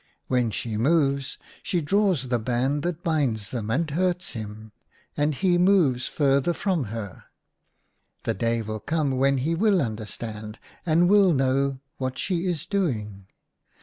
When she moves she draws the band that binds them, and hurts him, and he moves farther from her. The day will come when he will understand, and will know what she is doing.